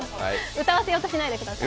歌わせようとしないでください。